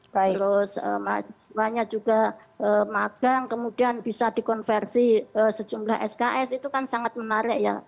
terus mahasiswanya juga magang kemudian bisa dikonversi sejumlah sks itu kan sangat menarik ya